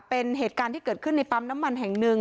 เป็นเหตุการณ์ที่เกิดขึ้นในปั๊มน้ำมันแห่งหนึ่ง